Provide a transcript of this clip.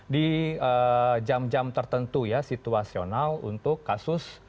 di jam jam tertentu situasional untuk kasus